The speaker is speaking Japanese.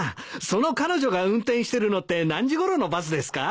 その彼女が運転してるのって何時ごろのバスですか？